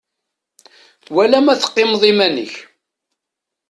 Wala ma teqqimeḍ iman-ik.